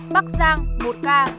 bắc giang một ca